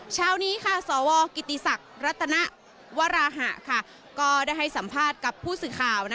เช้านี้ค่ะสวกิติศักดิ์รัตนวราหะก็ได้ให้สัมภาษณ์กับผู้สื่อข่าว